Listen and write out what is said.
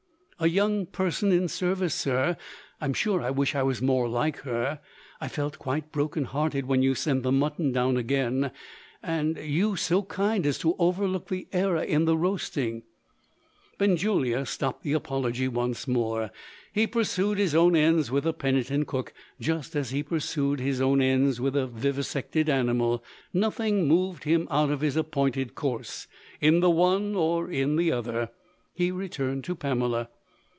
"A young person in service, sir. I'm sure I wish I was more like her! I felt quite broken hearted when you sent the mutton down again; and you so kind as to overlook the error in the roasting " Benjulia stopped the apology once more. He pursued his own ends with a penitent cook, just as he pursued his own ends with a vivisected animal. Nothing moved him out of his appointed course, in the one or in the other. He returned to Pamela.